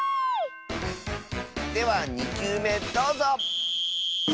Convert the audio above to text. では２きゅうめどうぞ！